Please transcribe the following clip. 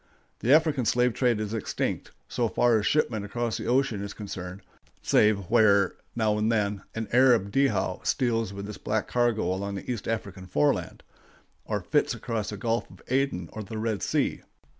The African slave trade is extinct, so far as shipment across the ocean is concerned, save where, now and then, an Arab dhow steals with its black cargo along the East African foreland, or flits across the Gulf of Aden or the Red Sea.